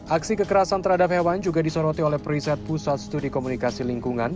aksi kekerasan terhadap hewan juga disoroti oleh periset pusat studi komunikasi lingkungan